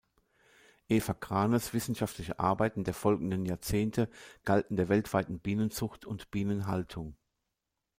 Eva Cranes wissenschaftliche Arbeiten der folgenden Jahrzehnte galten der weltweiten Bienenzucht und Bienenhaltung.